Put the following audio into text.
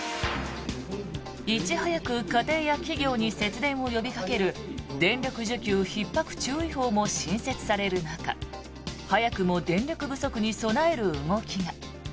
いち早く家庭や企業に節電を呼びかける電力需給ひっ迫注意報も新設される中早くも電力不足に備える動きが。